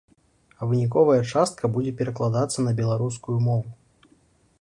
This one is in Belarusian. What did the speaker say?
А выніковая частка будзе перакладацца на беларускую мову.